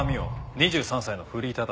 ２３歳のフリーターだ。